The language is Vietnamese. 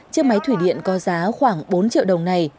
chiếc máy thủy điện có giá khoảng bốn triệu đồng này